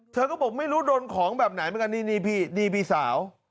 เธอก็บอกไม่รู้โดนของแบบไหนเหมือนกันนี่พี่นี่พี่สาว